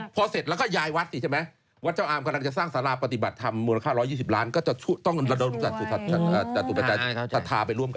พอเสร็จแล้วก็ย้ายวัดสิใช่ไหมวัดเจ้าอามกำลังจะสร้างสาราปฏิบัติธรรมมูลค่า๑๒๐ล้านก็จะต้องระดมศรัทธาไปร่วมกัน